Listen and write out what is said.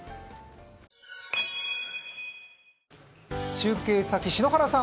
中継先、篠原さん